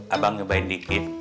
abang cobain dikit